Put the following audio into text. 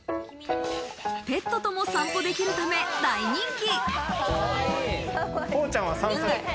ペットとも散歩できるため大人気。